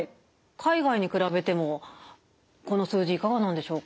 海外に比べてもこの数字いかがなんでしょうか？